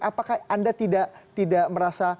apakah anda tidak merasa